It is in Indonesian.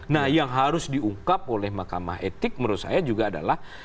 nah yang harus diungkap oleh mahkamah etik menurut saya juga adalah